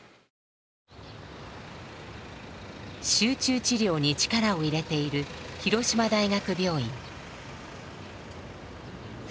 集中治療に力を入れている広島大学病院。